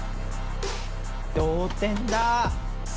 同点だ！